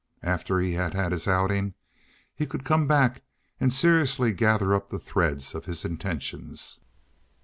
After he had had his outing he could come back and seriously gather up the threads of his intentions.